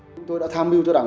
chúng tôi đã tham mưu cho đảng